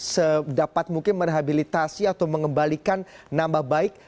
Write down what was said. sedapat mungkin merehabilitasi atau mengembalikan nambah baik